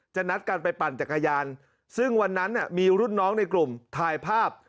นัดกันไปปั่นจักรยานซึ่งวันนั้นมีรุ่นน้องในกลุ่มถ่ายภาพ